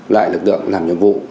lại lực lượng làm nhiệm vụ